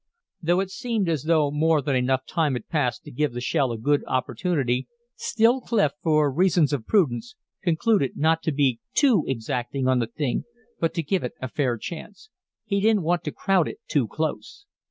Though it seemed as though more than enough time had passed to give the shell a good opportunity, still Clif, for reasons of prudence, concluded not to be too exacting on the thing, but to give it a fair chance. He didn't want to crowd it too close.